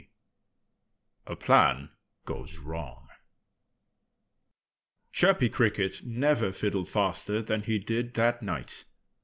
VI A PLAN GOES WRONG Chirpy Cricket never fiddled faster than he did that night.